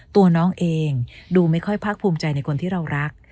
ตัวน้องเองดูไม่ค่อยภาคภูมิใจในคนที่เรารัก